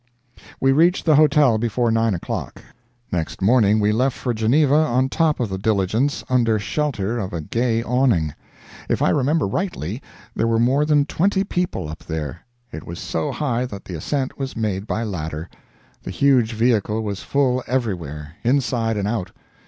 We reached the hotel before nine o'clock. Next morning we left for Geneva on top of the diligence, under shelter of a gay awning. If I remember rightly, there were more than twenty people up there. It was so high that the ascent was made by ladder. The huge vehicle was full everywhere, inside and out.